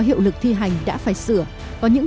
hiệu lực thi hành đã phải sửa có những